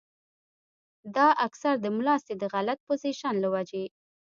دا اکثر د ملاستې د غلط پوزيشن له وجې